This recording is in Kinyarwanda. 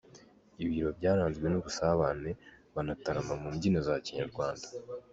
Ibiro byaranzwe n’ubusabane, banatarama mu mbyino za kinyarwanda.